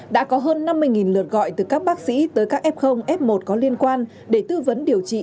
đã có hơn năm mươi lượt gọi từ các bác sĩ tới các f f một có liên quan để tư vấn điều trị